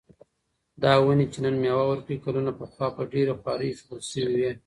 دا ونې چې نن مېوه ورکوي، کلونه پخوا په ډېره خواري ایښودل شوې وې.